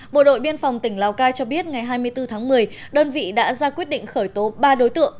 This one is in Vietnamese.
bộ đội biên phòng tỉnh lào cai cho biết ngày hai mươi bốn tháng một mươi đơn vị đã ra quyết định khởi tố ba đối tượng